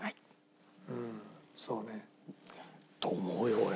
うんそうね。と思うよ俺。